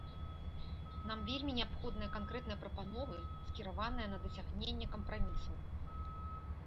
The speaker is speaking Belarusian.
Нам вельмі неабходныя канкрэтныя прапановы, скіраваныя на дасягненне кампрамісу.